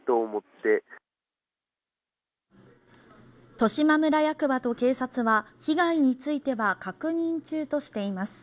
十島村役場と警察は被害については確認中としています